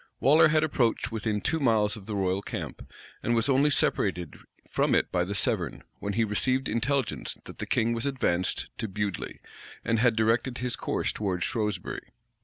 Waller had approached within two miles of the royal camp, and was only separated from it by the Severn, when he received intelligence that the king was advanced to Bewdly, and had directed his course towards Shrewsbury.